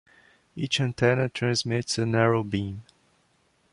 Each antenna transmits a narrow beam.